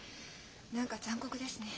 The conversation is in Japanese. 何か残酷ですね。